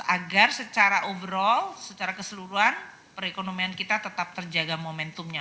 agar secara overall secara keseluruhan perekonomian kita tetap terjaga momentumnya